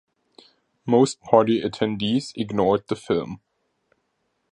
Most party attendees ignored the film.